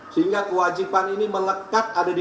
sehingga kewajiban ini melekat ada di